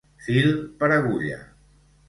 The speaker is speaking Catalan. Fil per agulla.